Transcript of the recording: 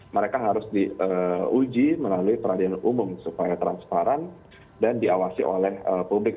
mereka harus diuji melalui peradilan umum supaya transparan dan diawasi oleh publik